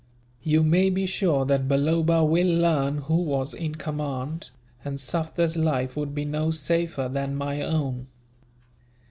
You may be sure that Balloba will learn who was in command, and Sufder's life would be no safer than my own.